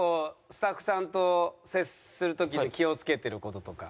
スタッフさんと接する時に気をつけてる事とか。